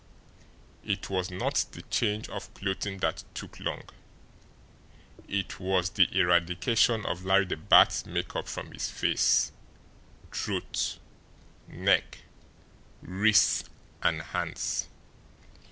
It was not the change of clothing that took long it was the eradication of Larry the Bat's make up from his face, throat, neck, wrists, and hands.